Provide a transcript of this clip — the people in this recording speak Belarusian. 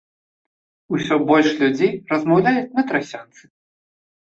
Усё больш людзей размаўляюць на трасянцы.